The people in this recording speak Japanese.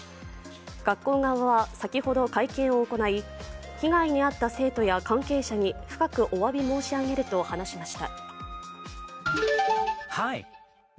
学校側は先ほど会見を行い被害に遭った生徒や関係者に深くおわび申し上げると話しました。